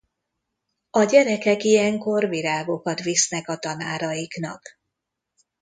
A gyerekek ilyenkor virágokat visznek a tanáraiknak.